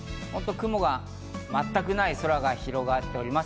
雲が全くない空が広がっております。